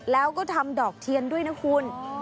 แล้วก็ทำดอกเทียนด้วยนะคุณ